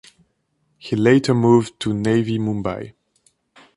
He later moved to Navi Mumbai.